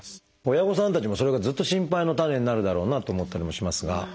親御さんたちもそれがずっと心配の種になるだろうなと思ったりもしますが。